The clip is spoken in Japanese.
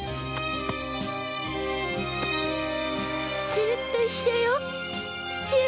ずっと一緒よ父上！